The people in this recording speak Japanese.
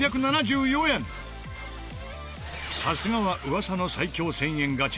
さすがは噂の最強１０００円ガチャ。